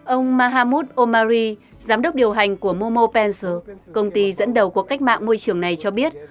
ông mahammud omari giám đốc điều hành của momo pencil công ty dẫn đầu cuộc cách mạng môi trường này cho biết